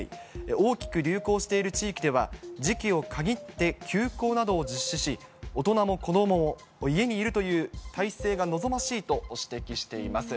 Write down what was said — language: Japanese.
大きく流行している地域では、時期を限って休校などを実施し、大人も子どもも家にいるという態勢が望ましいと指摘しています。